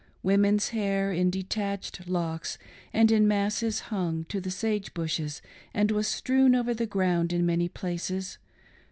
Women's hair in detached locks and in masses hung to the sage bushes and was strewn over the ground in many places.